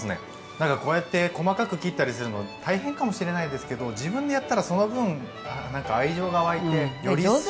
なんかこれって細かく切ったりするの大変かもしれないですけど自分でやったらその分愛情が湧いてより一層。